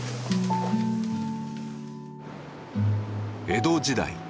江戸時代